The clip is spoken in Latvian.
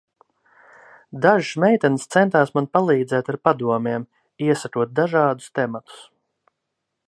Dažas meitenes centās man palīdzēt ar padomiem, iesakot dažādus tematus.